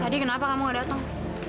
tadi kenapa kamu nggak datang